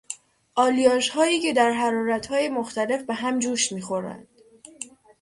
آلیاژهایی که در حرارتهای مختلف به هم جوش میخورند